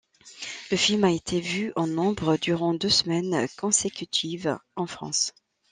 Le film a été vu en nombre durant deux semaines consécutives en France.